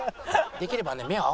できればね。